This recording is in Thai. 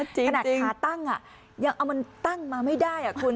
จริงขนาดขาตั้งอ่ะยังเอามันตั้งมาไม่ได้อ่ะคุณ